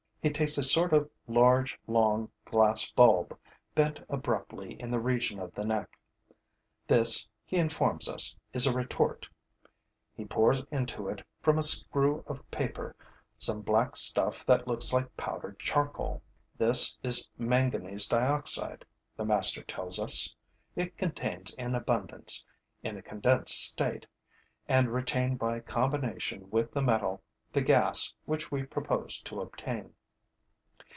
He takes a sort of large, long glass bulb, bent abruptly in the region of the neck. This, he informs us, is a retort. He pours into it, from a screw of paper, some black stuff that looks like powdered charcoal. This is manganese dioxide, the master tells us. It contains in abundance, in a condensed state and retained by combination with the metal, the gas which we propose to obtain.